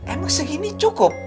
emang segini cukup